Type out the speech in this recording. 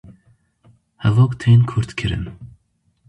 Hevok tên kurtkirin